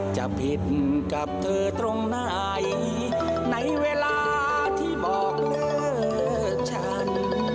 จะผิดกับเธอตรงไหนในเวลาที่บอกเลิกฉัน